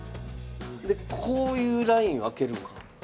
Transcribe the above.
でこういうラインあけるのか。